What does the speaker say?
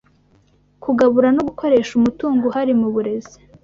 kugabura no gukoresha umutungo uhari mu burezi